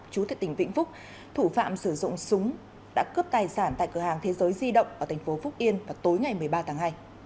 chú tại tỉnh vĩnh phúc thủ phạm sử dụng súng đã cướp tài sản tại cửa hàng thế giới di động ở tp phúc yên vào tối ngày một mươi ba tháng hai